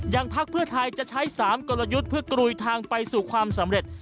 พักเพื่อไทยจะใช้๓กลยุทธ์เพื่อกรุยทางไปสู่ความสำเร็จ